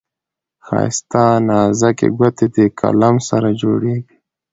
ښايسته نازكي ګوتې دې قلم سره جوړیږي.